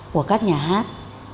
của các nhà hát